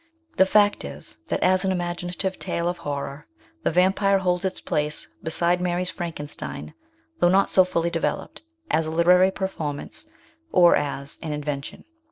The fact is that as an imaginative tale of horror The Vampire holds its place beside Mary's Frankenstein, though not so fully developed as a literary performance or as an invention.